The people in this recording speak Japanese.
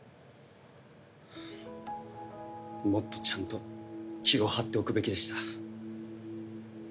もっとちゃんと気を張っておくべきでした。